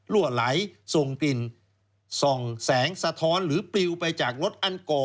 ไหลส่งกลิ่นส่องแสงสะท้อนหรือปลิวไปจากรถอันก่อ